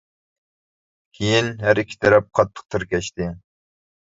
كېيىن ھەر ئىككى تەرەپ قاتتىق تىركەشتى.